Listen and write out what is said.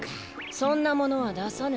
そんなものはださぬ。